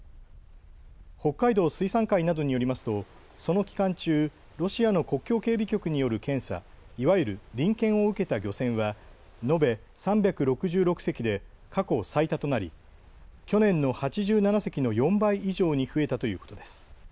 北海道水産会などによりますとその期間中、ロシアの国境警備局による検査、いわゆる臨検を受けた漁船は延べ３６６隻で過去最多となり去年の８７隻の４倍以上に増えたということです。